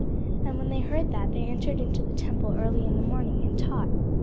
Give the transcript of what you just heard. And when they heard that, they entered into the temple early in the morning, and taught.